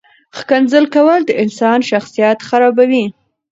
ښکنځل کول د انسان شخصیت خرابوي.